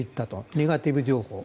ネガティブ情報。